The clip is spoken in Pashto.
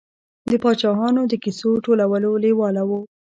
د پاچاهانو د کیسو ټولولو لېواله و.